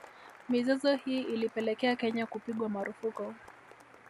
Mizozo hii ilipelekea Kenya kupigwa marufuku